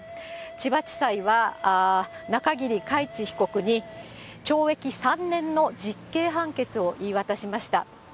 千葉地裁は中桐海知被告に、懲役３年の実刑判決を言い渡しました。